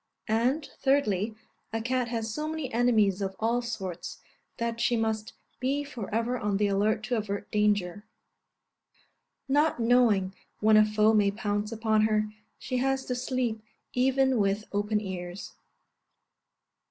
And, thirdly, a cat has so many enemies of all sorts, that she must be for ever on the alert to avert danger; not knowing when a foe may pounce upon her, she has to sleep even with open ears.